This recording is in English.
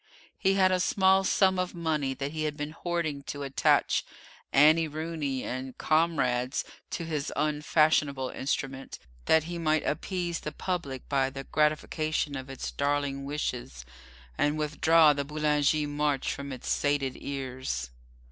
He had a small sum of money that he had been hoarding to attach "Annie Rooney" and "Comrades" to his unfashionable instrument, that he might appease the public by the gratification of its darling wishes, and withdraw the Boulanger march from its sated ears.